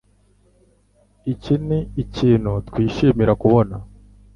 Iki ni ikintu twishimira kubona